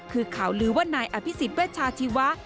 คือข่าวลือว่านายอภิษฎเวชาชีวะ